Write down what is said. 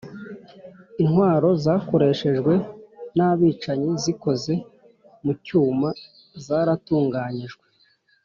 Intwaro zakoreshejwe n abicanyi zikoze mu cyuma zaratunganyijwe